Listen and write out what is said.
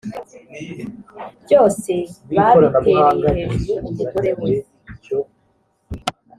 byose babitereye hejuru umugore we